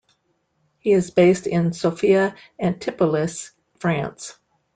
He is based in Sophia Antipolis, France.